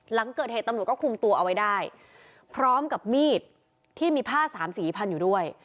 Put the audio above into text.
หลังเกิดเหตุตำรวจก็คุมตัวเอาไว้ได้พร้อมกับมีดที่มีผ้าสามสีพันอยู่ด้วย